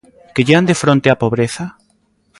¿Quellean de fronte a pobreza?